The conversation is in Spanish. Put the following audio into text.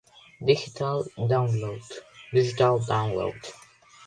Digital Download